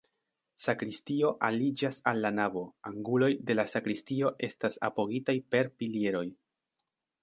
Sakristio aliĝas al la navo, anguloj de la sakristio estas apogitaj per pilieroj.